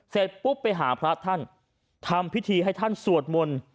เสร็จปุ๊บไปหาพระท่านทำพิธีให้ท่านสวดมนต์